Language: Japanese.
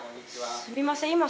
すみません。